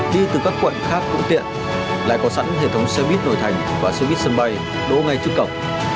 đi từ các quận khác cũng tiện lại có sẵn hệ thống xe buýt nội thành và xe buýt sân bay đỗ ngay trước cổng